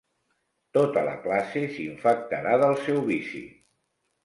Tota la classe s'infectarà del seu vici.